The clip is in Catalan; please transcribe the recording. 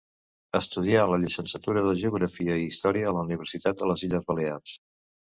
Estudià la llicenciatura de Geografia i Història a la Universitat de les Illes Balears.